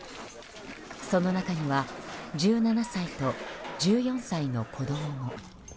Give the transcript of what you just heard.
その中には１７歳と１４歳の子供も。